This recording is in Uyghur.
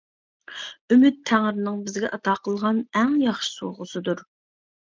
ئۈمىد تەڭرىنىڭ بىزگە ئاتا قىلغان ئەڭ ياخشى سوۋغىسىدۇر.